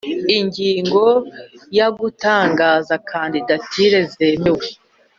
Ingingo ya Gutangaza kandidatire zemewe